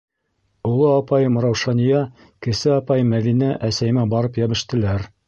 Оло апайым Раушания, кесе апайым Мәҙинә әсәйемә барып йәбештеләр.